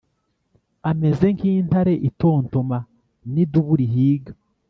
ameze nk’intare itontoma n’idubu rihiga